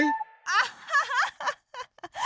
アッハハハハハ！